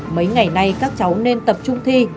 mấy ngày nay các cháu nên tập trung thi